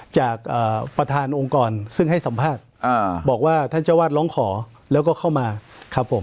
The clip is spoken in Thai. จากประธานองค์กรซึ่งให้สัมภาษณ์บอกว่าท่านเจ้าวาดร้องขอแล้วก็เข้ามาครับผม